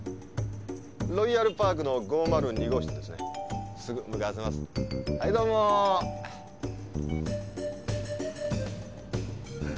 ロイヤルパークの５０２号室ですね。